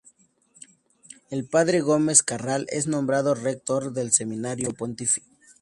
El Padre Gómez Carral es nombrado Rector del Seminario Pontificio.